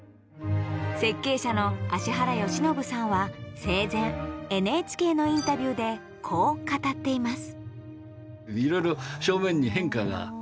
設計者の芦原義信さんは生前ＮＨＫのインタビューでこう語っています。